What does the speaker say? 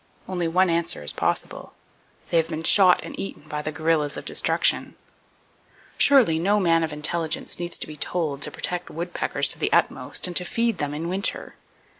Only one answer is possible. They have been shot and eaten, by the guerrillas of destruction. [Page 227] Surely no man of intelligence needs to be told to protect woodpeckers to the utmost, and to feed them in winter.